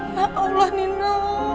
ya allah nino